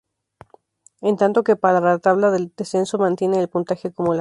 En tanto que para la Tabla del Descenso mantienen el puntaje acumulado.